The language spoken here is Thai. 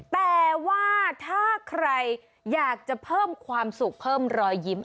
แต่ว่าถ้าใครอยากจะเพิ่มความสุขเพิ่มรอยยิ้ม